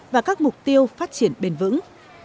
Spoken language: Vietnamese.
và các mục tiêu phát triển bền vững